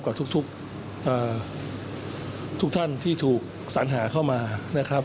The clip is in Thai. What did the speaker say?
ทุกท่านที่ถูกสัญหาเข้ามานะครับ